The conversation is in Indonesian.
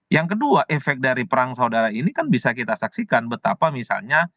yang kedua efek dari perang saudara ini kan bisa kita saksikan betapa misalnya